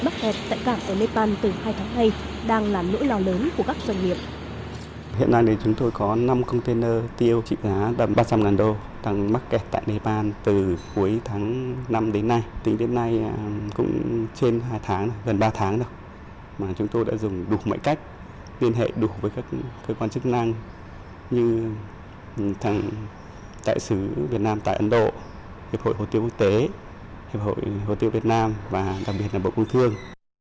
chức năng như thằng tại xứ việt nam tại ấn độ hiệp hội hổ tiêu quốc tế hiệp hội hổ tiêu việt nam và đặc biệt là bộ công thương